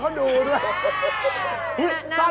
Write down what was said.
เกิดอะไรขึ้น